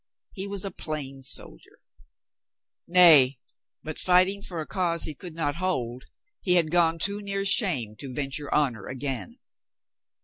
He was a plain soldier. Nay, but fighting for a cause he could not hold, he had gone too near shame to venture honor again.